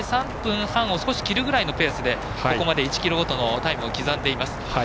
３分半を切るペースで１ｋｍごとのタイムを刻んでいます。